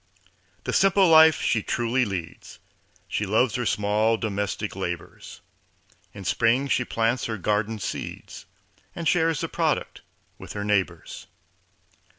The simple life she truly leads, She loves her small domestic labors; In spring she plants her garden seeds And shares the product with her neighbors.